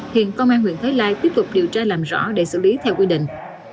hiện công an huyện thái lai tiếp tục điều tra làm rõ để xử lý theo quy định